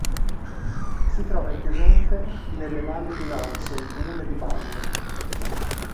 Si trova in Piemonte nelle Valli di Lanzo, in comune di Balme.